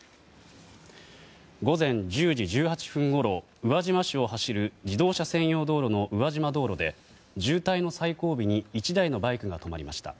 午前１０時１８分ごろ宇和島市を走る自動車専用道路の宇和島道路で渋滞の最後尾に１台のバイクが止まりました。